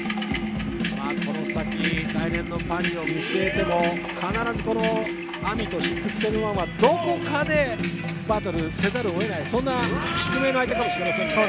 この先、来年のパリを見据えても、必ずこのＡＭＩと６７１はどこかでバトルせざるをえないそんな、宿命の相手かもしれないですよね。